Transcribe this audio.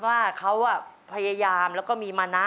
ว่าเขาพยายามแล้วก็มีมานะ